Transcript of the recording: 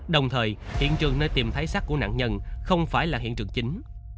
đồng thời hiện trường nơi tìm thấy sát của nạn nhân không phải là hiện trường chính